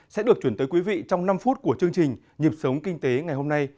sẽ được chuyển tới quý vị trong năm phút của chương trình nhịp sống kinh tế ngày hôm nay